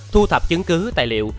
thu thập chứng cứ tài liệu